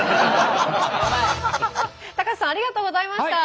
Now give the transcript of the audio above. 高瀬さんありがとうございました。